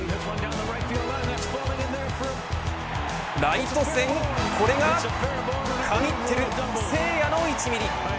ライト線、これが神ってる、誠也の１ミリ。